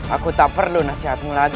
aku tak perlu nasihatmu lagi